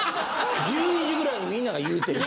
１２時ぐらいにみんなが言うてるよ。